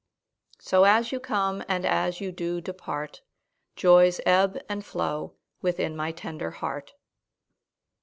So as you come and as you do depart, Joys ebb and flow within my tender heart.